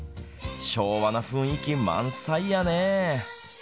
昭和の雰囲気、満載やね。